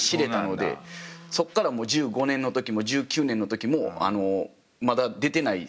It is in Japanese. そこから１５年の時も１９年の時もまだ出てない選手たち